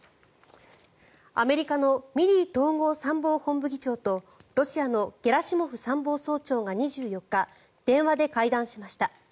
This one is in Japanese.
アメリカのミリー統合参謀本部議長とロシアのゲラシモフ参謀総長が２４日、電話で会談しました。